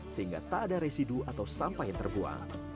sehingga tak ada residu atau sampah yang terbuang